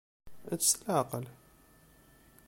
Ečč s leɛqel.